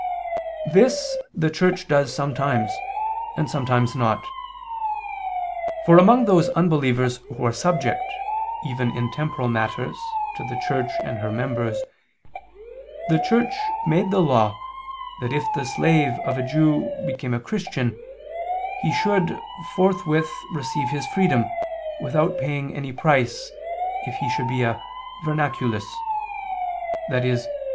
This the Church does sometimes, and sometimes not. For among those unbelievers who are subject, even in temporal matters, to the Church and her members, the Church made the law that if the slave of a Jew became a Christian, he should forthwith receive his freedom, without paying any price, if he should be a "vernaculus," i.e.